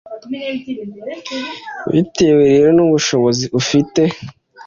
Bitewe rero n’ubushobozi ufite